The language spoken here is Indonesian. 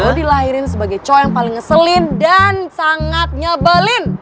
lo dilahirin sebagai co yang paling ngeselin dan sangat nyebelin